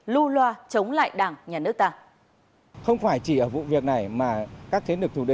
lưu loa chống lại đảng nhà nước ta